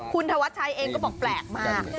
คุณธวัชชัยเองก็บอกแปลกมาก